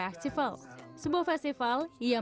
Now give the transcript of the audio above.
sebuah festival yang mencari penyandang disabilitas